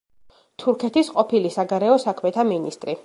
თურქეთის ყოფილი საგარეო საქმეთა მინისტრი.